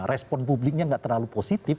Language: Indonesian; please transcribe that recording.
respon publiknya nggak terlalu positif